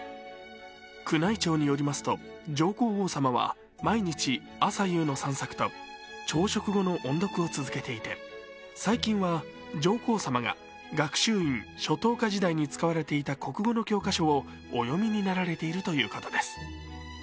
宮内庁によりますと、上皇后さまは毎日、朝夕の散策と朝食後の音読を続けていて最近は上皇さまが学習院初等科時代に使われていた国語の教科書をお読みになられているということです。